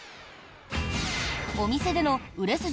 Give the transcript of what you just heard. お店での売れ筋